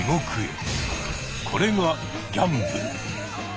これが「ギャンブル」。